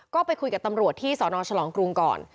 ก็ไปคุยกับตำรวจที่สนฉลองกรุงก่อน